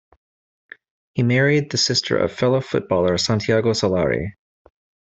He married the sister of fellow footballer Santiago Solari.